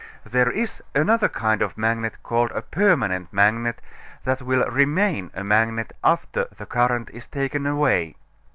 There is another kind of magnet called a permanent magnet that will remain a magnet after the current is taken away.